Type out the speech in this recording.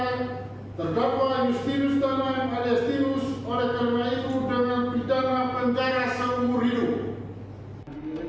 ada justinus oleh kandungan itu dengan pidana penjara sumber hidup